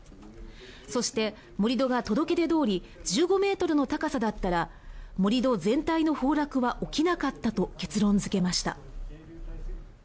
そして、盛り土が届け出どおり１５ｍの高さだったら盛り土全体の崩落は起きなかったと結論付けました。